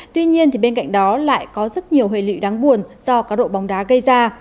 tuy nhiên bên cạnh đó lại có rất nhiều hệ lụy đáng buồn do cá độ bóng đá gây ra